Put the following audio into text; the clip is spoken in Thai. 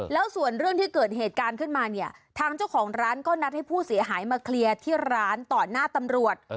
แล้วส่วนเรื่องที่เกิดเหตุการณ์ขึ้นมาเนี่ยทางเจ้าของร้านก็นัดให้ผู้เสียหายมาเคลียร์ที่ร้านต่อหน้าตำรวจ